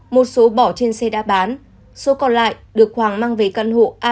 một số bỏ trên xe đã bán số còn lại được hoàng mang về căn hộ a ba một nghìn ba